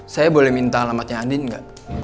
saya boleh minta alamatnya andin gak